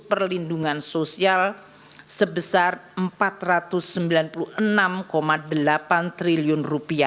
perlindungan sosial sebesar rp empat ratus sembilan puluh enam delapan triliun